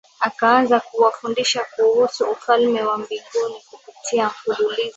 akaanza kuwafundisha kuhusu Ufalme wa mbinguni kupitia mfululizo